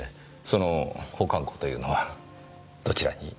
その保管庫というのはどちらに？